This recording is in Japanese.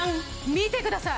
見てください！